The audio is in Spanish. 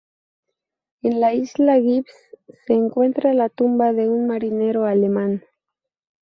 En la isla Gibbs se encuentra la tumba de un marinero alemán.